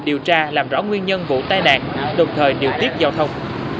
điều tra làm rõ nguyên nhân vụ tai nạn đồng thời điều tiết giao thông